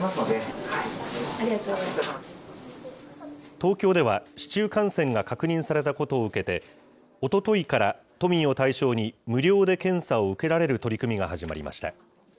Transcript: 東京では、市中感染が確認されたことを受けて、おとといから都民を対象に無料で検査を受けられる取り組みが始まりました。